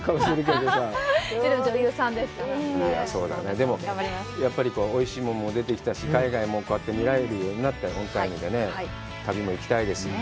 でも、おいしいものも出てきたし、海外もこうやって見られるようになって、旅も行きたいです。